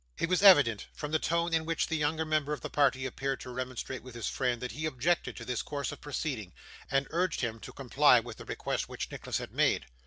It was evident from the tone in which the younger member of the party appeared to remonstrate with his friend, that he objected to this course of proceeding, and urged him to comply with the request which Nicholas had made.